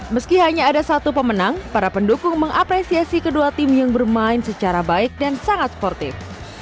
meski hanya ada satu pemenang para pendukung mengapresiasi kedua tim yang bermain secara baik dan sangat sportif